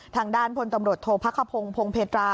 ทางด้านพลตำรวจโทษพระขพงศ์พงเพตรา